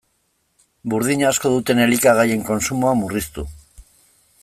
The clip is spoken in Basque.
Burdina asko duten elikagaien kontsumoa murriztu.